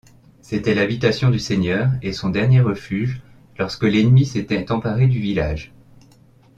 C’était l’habitation du seigneur et son dernier refuge lorsque l’ennemi s’était emparé du village.